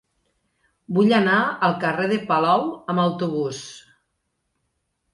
Vull anar al carrer de Palou amb autobús.